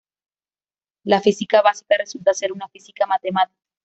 La física básica resulta ser una física matemática.